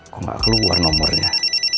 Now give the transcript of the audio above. kok gak keluar nomornya